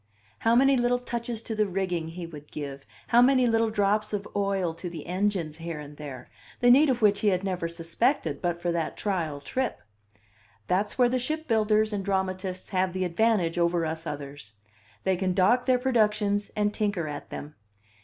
How many little touches to the rigging he would give, how many little drops of oil to the engines here and there, the need of which he had never suspected, but for that trial trip! That's where the ship builders and dramatists have the advantage over us others: they can dock their productions and tinker at them.